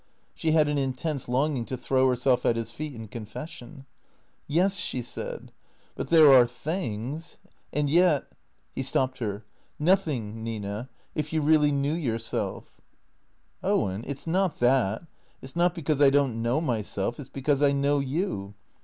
She had an insane longing to throw herself at his feet in confession. " Yes," she said, " but there are things And yet " He stopped her. " Nothing, Nina, if vou really knew your self." " Owen — it 's not that. It 's not because I don't know my self. It 's because I know you.